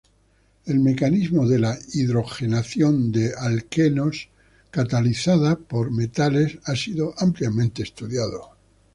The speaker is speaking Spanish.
El mecanismo de la hidrogenación de alquenos catalizada por metales ha sido ampliamente estudiado.